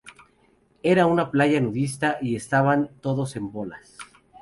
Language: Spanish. Era una playa nudista y estaban todos en bolas